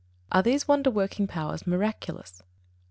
_Are these wonder working powers miraculous?